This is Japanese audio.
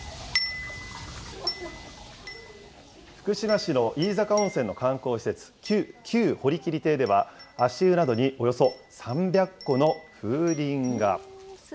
福島市の飯坂温泉の観光施設、旧堀切邸では、足湯などにおよそ３００個の風鈴が。